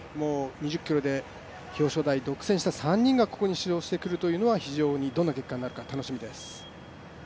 ２０ｋｍで表彰台を独占した３人がここに出場してくるというのはどんな結果になるか非常に楽しみです。